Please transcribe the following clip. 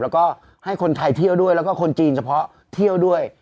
แล้วก็ให้คนไทยเที่ยวด้วยแล้วก็คนจีนเฉพาะเที่ยวด้วย